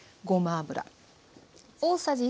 ごま油。